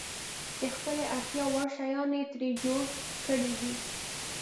د خپلې اړتیا وړ شیان یې ترې جوړ کړي دي.